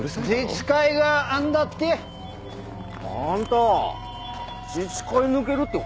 自治会がなんだって？あんた自治会抜けるって本気か？